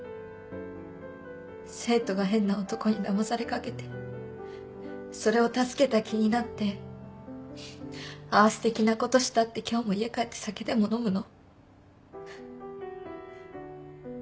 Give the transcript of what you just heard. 生徒が変な男にだまされかけてそれを助けた気になって「あぁステキなことした」って今日も家帰って酒でも飲むの？